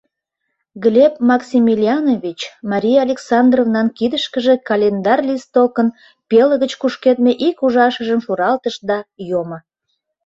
Глеб Максимилианович Мария Александровнан кидышкыже календарь листокын пелыгыч кушкедме ик ужашыжым шуралтыш да йомо.